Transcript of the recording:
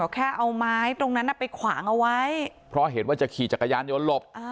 แค่เอาไม้ตรงนั้นไปขวางเอาไว้เพราะเห็นว่าจะขี่จักรยานยนต์หลบ